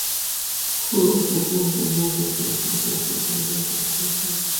Oh oh oh oh oh oh oh oh oh oh oh oh oh oh...